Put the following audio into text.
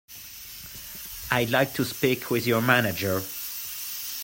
I'd like to speak with your manager.